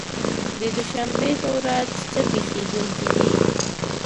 د دوشنبې په ورځ څه پېښېدونکي دي؟